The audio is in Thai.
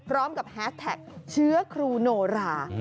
พร้อมกับแฮสแท็กเชื้อครูโนรา